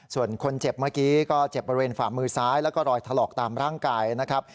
ส่วนคนเจ็บเมื่อกี้ก็เจ็บบริเวณฝ่ามือซ้ายแล้วก็รอยถลอกตามร่างกายนะครับ